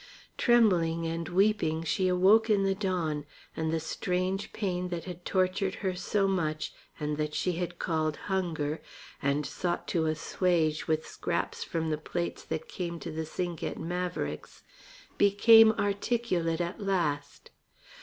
Trembling and weeping she awoke in the dawn, and the strange pain that had tortured her so much and that she had called hunger and sought to assuage with scraps from the plates that came to the sink at Maverick's became articulate at last.